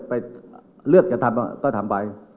ไปเลือกจะทำก็ทำไป